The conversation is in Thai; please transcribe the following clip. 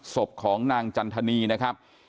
ศพของนางจันทนีนะครับ